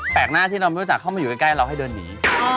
หน้าที่เราไม่รู้จักเข้ามาอยู่ใกล้เราให้เดินหนี